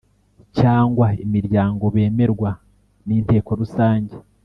cyangwa imiryango bemerwa n Inteko Rusange